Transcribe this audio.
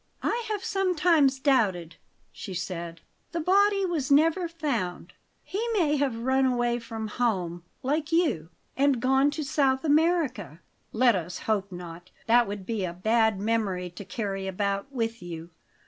"I have sometimes doubted," she said. "The body was never found. He may have run away from home, like you, and gone to South America." "Let us hope not. That would be a bad memory to carry about with you.